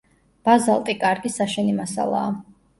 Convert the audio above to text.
ბაზალტი კარგი საშენი მასალაა.